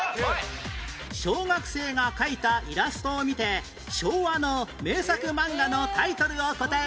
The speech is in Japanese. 小学生が描いたイラストを見て昭和の名作マンガのタイトルを答える問題